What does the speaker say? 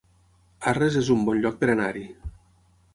Arres es un bon lloc per anar-hi